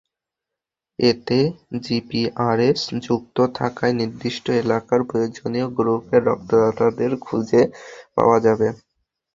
এতে জিপিআরএস যুক্ত থাকায় নির্দিষ্ট এলাকার প্রয়োজনীয় গ্রুপের রক্তদাতাদের খুঁজে পাওয়া যাবে।